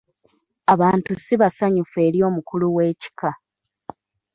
Abantu si basanyufu eri omukulu w'ekika.